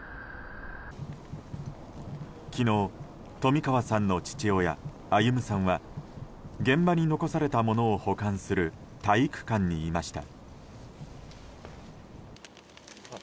昨日、冨川さんの父親・歩さんは現場に残されたものを保管する体育館にいました。